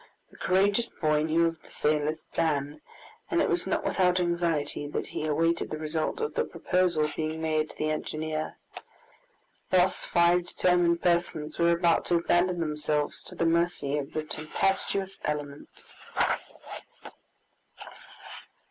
The courageous boy knew of the sailor's plan, and it was not without anxiety that he awaited the result of the proposal being made to the engineer. Thus five determined persons were about to abandon themselves to the mercy of the tempestuous elements!